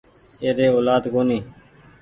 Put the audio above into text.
ايري اولآد ڪونيٚ